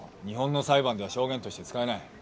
日本の裁判では証言として使えない。